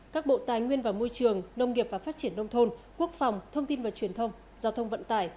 các bộ tài nguyên và môi trường nông nghiệp và phát triển nông thôn quốc phòng thông tin và truyền thông giao thông vận tải